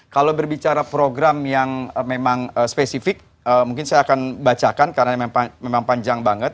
kalau berbicara program yang memang spesifik mungkin saya akan bacakan karena memang panjang banget